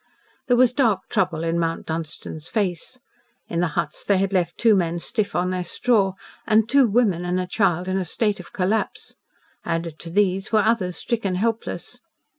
There was dark trouble in Mount Dunstan's face. In the huts they had left two men stiff on their straw, and two women and a child in a state of collapse. Added to these were others stricken helpless.